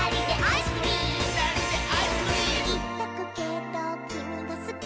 「いっとくけどきみがすき」